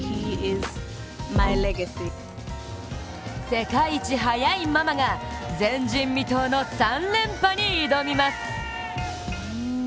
世界一速いママが前人未到の３連覇に挑みます。